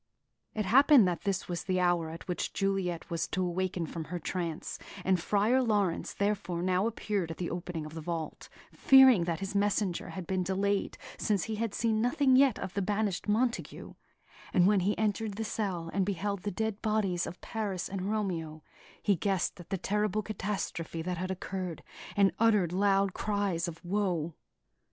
It happened that this was the hour at which Juliet was to awaken from her trance; and Friar Laurence therefore now appeared at the opening of the vault, fearing that his messenger had been delayed, since he had seen nothing yet of the banished Montague; and when he entered the cell and beheld the dead bodies of Paris and Romeo, he guessed at the terrible catastrophe that had occurred, and uttered loud cries of woe.